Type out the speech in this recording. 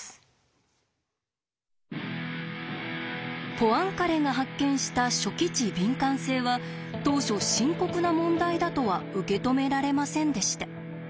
ポアンカレが発見した初期値敏感性は当初深刻な問題だとは受け止められませんでした。